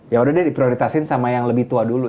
ya udah deh diprioritasiin sama yang lebih tua dulu